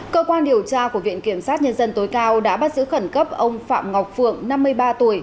cơ quan điều tra của viện kiểm sát nhân dân tối cao đã bắt giữ khẩn cấp ông phạm ngọc phượng năm mươi ba tuổi